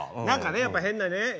何かねやっぱ変なね